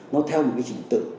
nó theo một cái trình tự